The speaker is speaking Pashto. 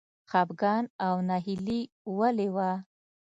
خپګان او ناهیلي ولې وه.